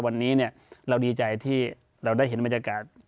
วันนี้เราดีใจที่เราได้เห็นบรรยากาศ